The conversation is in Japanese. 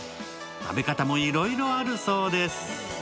食べ方もいろいろあるそうです。